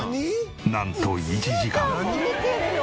なんと１時間。